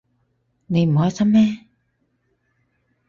你唔開心咩？